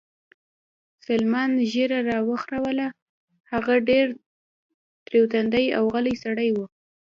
سلمان ږیره را وخروله، هغه ډېر تریو تندی او غلی سړی و.